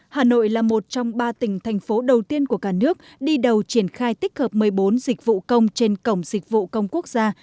hà nội là một trong ba tỉnh thành phố đầu tiên của cả nước đi đầu triển khai tích hợp một mươi bốn dịch vụ công trên cổng dịch vụ công quốc gia